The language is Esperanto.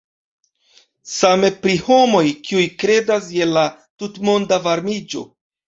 Same pri homoj, kiuj kredas je la tutmonda varmiĝo.